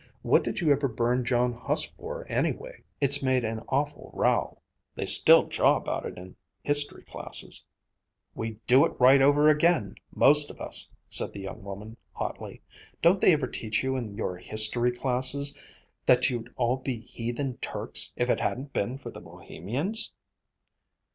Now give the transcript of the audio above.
"What did you ever burn John Huss for, anyway? It's made an awful row. They still jaw about it in history classes." "We'd do it right over again, most of us," said the young woman hotly. "Don't they ever teach you in your history classes that you'd all be heathen Turks if it hadn't been for the Bohemians?"